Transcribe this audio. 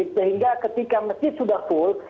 sehingga ketika masjid sudah full